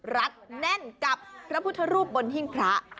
แน่นกับพระพุทธรูปบนหิ้งพระ